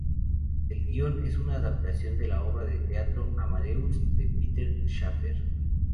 El guión es una adaptación de la obra de teatro "Amadeus," de Peter Shaffer.